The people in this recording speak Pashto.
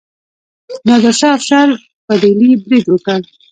نادر شاه افشار په ډیلي برید وکړ.